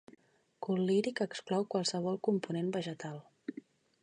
Col·liri que exclou qualsevol component vegetal.